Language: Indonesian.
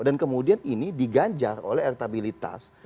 dan kemudian ini digajar oleh elektabilitas